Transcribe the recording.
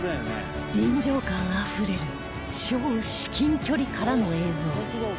臨場感あふれる超至近距離からの映像